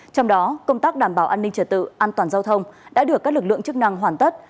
trong đó công tác đảm bảo an ninh trở tự an toàn giao thông đã được các lực lượng chức năng hoàn tất